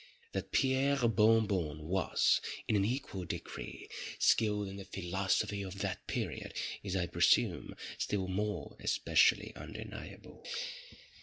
That Pierre Bon Bon was, in an equal degree, skilled in the philosophy of that period is, I presume, still more especially undeniable.